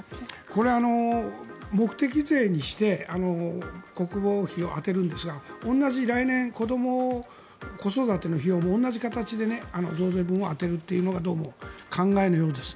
これ、目的税にして国防費を充てるんですが同じ来年子ども、子育ての費用も同じ形で増税分を充てるというのがどうも考えのようです。